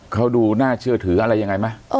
เขาดูน่าเชื่อถืออะไรยังไงไหม